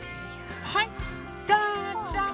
はいどうぞ。